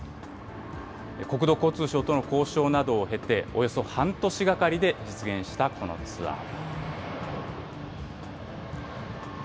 国土交通省との交渉などを経て、およそ半年がかりで実現したこのツアー。